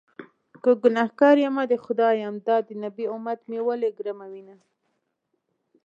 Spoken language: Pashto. که ګنهکار يمه د خدای یم- دا د نبي امت مې ولې ګرموینه